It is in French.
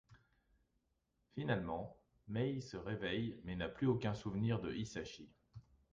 Finalement, Mai se réveille mais n'a plus aucun souvenir de Hisashi.